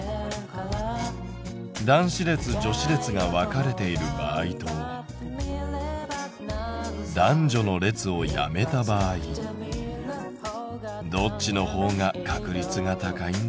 男子列・女子列が分かれている場合と男女の列をやめた場合どっちの方が確率が高いんだろう？